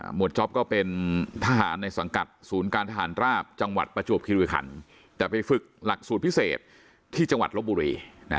วดจ๊อปก็เป็นทหารในสังกัดศูนย์การทหารราบจังหวัดประจวบคิริขันแต่ไปฝึกหลักสูตรพิเศษที่จังหวัดลบบุรี